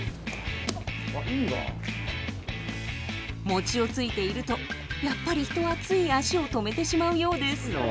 もちをついているとやっぱり人はつい足を止めてしまうようです。